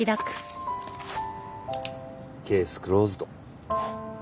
ケースクローズド。